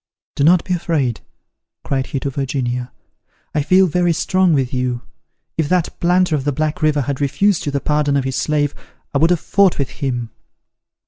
"Do not be afraid," cried he to Virginia; "I feel very strong with you. If that planter at the Black River had refused you the pardon of his slave, I would have fought with him."